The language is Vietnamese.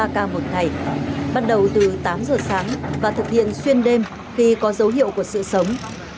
ba ca một ngày bắt đầu từ tám giờ sáng và thực hiện xuyên đêm khi có dấu hiệu của sự sống